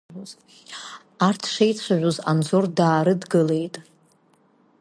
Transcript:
Арҭ шеицәажәоз Анзор даарыдгылеит.